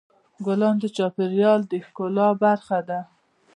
ګلان د چاپېریال د ښکلا برخه ده.